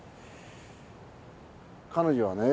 彼女はね